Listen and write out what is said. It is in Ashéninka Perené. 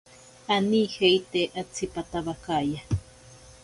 Anijeite atsipatabakaya.